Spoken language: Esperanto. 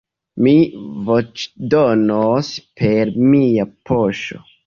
Mi voĉdonos per mia poŝo.